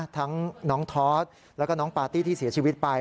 ทั้งน้องทอสแล้วก็น้องปาร์ตี้ที่เสียชีวิตไป